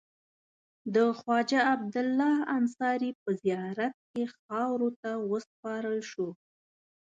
د خواجه عبدالله انصاري په زیارت کې خاورو ته وسپارل شو.